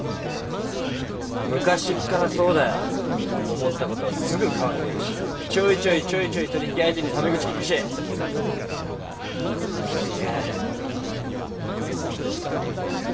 思ったことはすぐ顔に出るしちょいちょいちょいちょい取引相手にタメ口利くしすげえ。